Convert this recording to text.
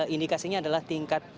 indikasinya adalah tingkat